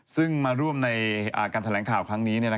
ซึ่งมาร่วมในการแถลงข่าวครั้งนี้